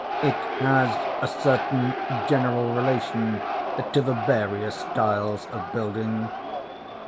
It has a certain general relation to the various styles of building.